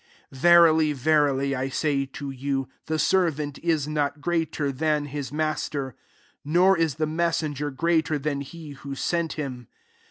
16 Verily, verily, I say to you. The servant is not greater than his master; nor is the messenger greater than he who sent him.